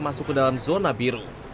masuk ke dalam zona biru